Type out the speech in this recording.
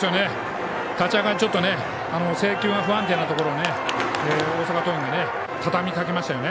立ち上がり制球が不安定なところを大阪桐蔭がたたみかけましたね。